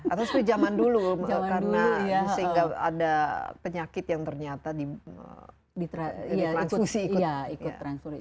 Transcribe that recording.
atau seperti zaman dulu karena masih gak ada penyakit yang ternyata di transfusi